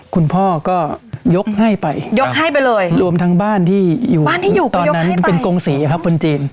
คุณพ่อก็ยกให้ไปรวมทั้งบ้านที่อยู่ตอนนั้นเป็นกงศรีครับคนจีน